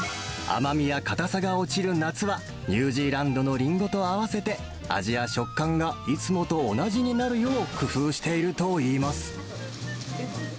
甘みや硬さが落ちる夏は、ニュージーランドのリンゴと合わせて、味や食感がいつもと同じになるよう工夫しているといいます。